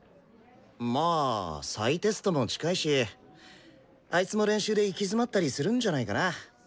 まあ再テストも近いしあいつも練習で行き詰まったりするんじゃないかな？